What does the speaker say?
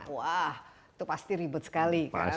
wah itu pasti ribet sekali